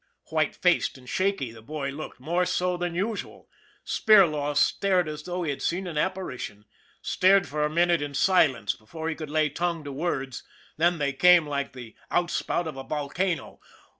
White faced and shaky the boy looked more so than usual. Spirlaw stared as though he had seen an apparition, stared for a minute in silence before he could lay tongue to words then they came like the out spout of a volcano.